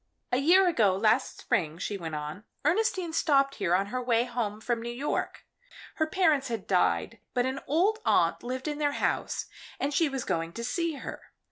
"A year ago last spring," she went on, "Ernestine stopped here on her way home from New York. Her parents had died, but an old aunt lived in their house, and she was going to see her.